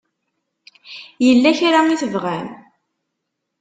Yella kra i tebɣam?